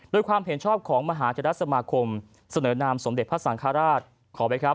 โดยความเห็นชอบของมหาธรรมคมเสนอนามสมเด็จพระสังฆราช